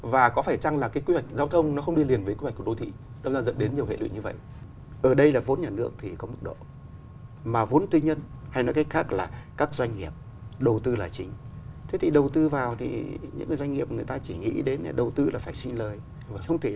và có phải chăng là cái quy hoạch giao thông nó không đi liền với quy hoạch của đô thị